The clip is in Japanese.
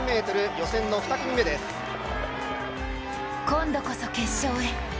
今度こそ決勝へ。